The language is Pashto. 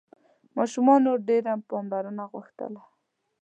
ماشومانو ډېره پاملرنه غوښتله.